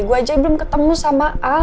gue aja belum ketemu sama a